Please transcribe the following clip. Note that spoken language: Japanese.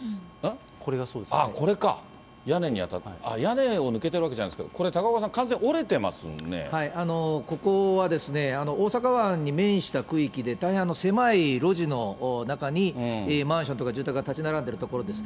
これか、屋根を抜けてるわけじゃないですけど、これ、高岡さここはですね、大阪湾に面した区域で、大変狭い路地の中にマンションとか住宅が建ち並んでいる所です。